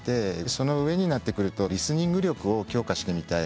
その上になってくるとリスニング力を強化してみたい。